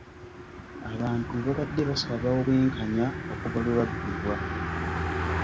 Abantu babadde basaba obwenkanya okuva lwe babbibwa.